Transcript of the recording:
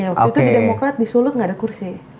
waktu itu di demokrat di sulut nggak ada kursi